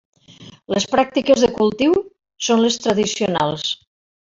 Les pràctiques de cultiu són les tradicionals.